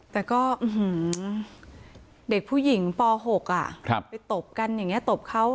แต่ก็อื้อหือเด็กผู้หญิงป๖อะไปตบกันอย่างเงี้ยตบเขา